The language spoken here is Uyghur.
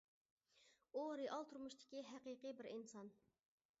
ئۇ رېئال تۇرمۇشتىكى «ھەقىقىي بىر ئىنسان» .